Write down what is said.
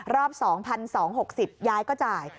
รอบ๒๒๖๐ยายก็จ่าย